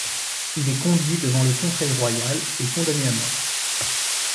Il est conduit devant le Conseil royal et condamné à mort.